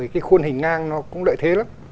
cái khuôn hình ngang nó cũng đợi thế lắm